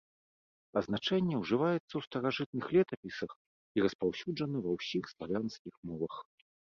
Азначэнне ўжываецца ў старажытных летапісах і распаўсюджана ва ўсіх славянскіх мовах.